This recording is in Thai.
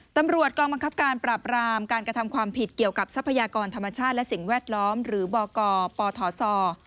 ตำรวจกองบังคับการปราบรามการกระทำความผิดเกี่ยวกับทรัพยากรธรรมชาติและสิ่งแวดล้อมหรือบกปทศ